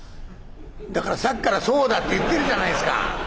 「だからさっきから『そうだ』って言ってるじゃないですか」。